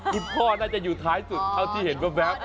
พูดพ่อน่ะจะอยู่ท้ายสุดเท่าที่เห็นขวาแบบ